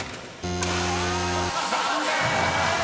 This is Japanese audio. ［残念！］